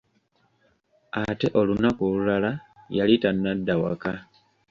Ate olunaku olulala yali tanadda waka.